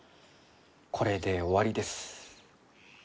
これで終わりです。